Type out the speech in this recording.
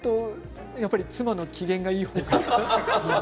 やっぱり妻の機嫌がいい方が。